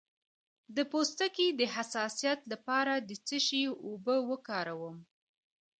د پوستکي د حساسیت لپاره د څه شي اوبه وکاروم؟